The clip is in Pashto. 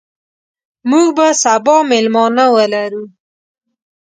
موږ به سبا میلمانه ولرو.